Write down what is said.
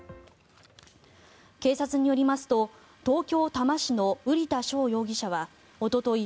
警察によりますと東京・多摩市の瓜田翔容疑者はおととい